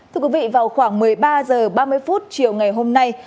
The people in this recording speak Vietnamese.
thưa quý vị vào khoảng một mươi ba h ba mươi chiều ngày hôm nay